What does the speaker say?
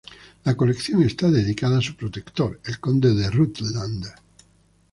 La colección está dedicada a su protector, el conde de Rutland.